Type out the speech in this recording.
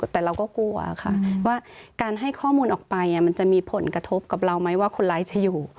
แต่เราก็กลัวค่ะว่าการให้ข้อมูลออกไปมันจะมีผลกระทบกับเราไหมว่าคนร้ายจะอยู่